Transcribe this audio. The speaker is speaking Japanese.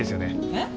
えっ？